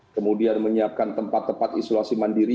kemudian menyiapkan tempat tempat isolasi mandiri